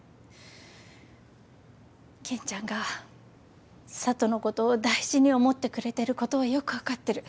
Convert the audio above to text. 健ちゃんが佐都のことを大事に思ってくれてることはよく分かってる。